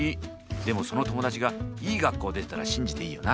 でもその友だちがいい学校出てたら信じていいよな？